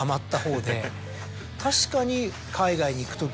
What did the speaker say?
確かに。